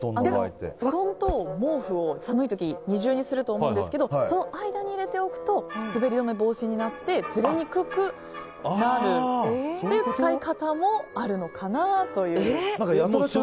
布団と毛布を寒い時に二重にすると思うんですけどその間に入れておくと滑り止め防止になってずれにくくなるという使い方もあるのかなという。